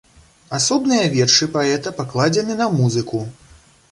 Асобныя вершы паэта пакладзены на музыку.